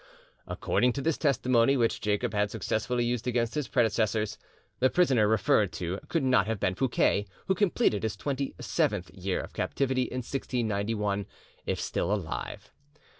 According to this testimony, which Jacob had successfully used against his predecessors, the prisoner referred to could not have been Fouquet, who completed his twenty seventh year of captivity in 1691, if still alive.